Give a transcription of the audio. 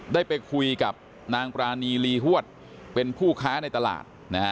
ได้ไปคุยกับนางปรานีลีฮวดเป็นผู้ค้าในตลาด